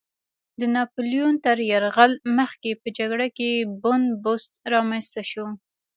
د ناپیلیون تر یرغل مخکې په جګړه کې بن بست رامنځته شو.